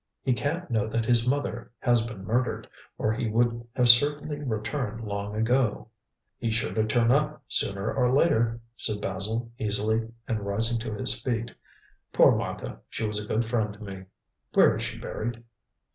He can't know that his mother has been murdered, or he would have certainly returned long ago." "He's sure to turn up sooner or later," said Basil easily, and rising to his feet. "Poor Martha! she was a good friend to me. Where is she buried?"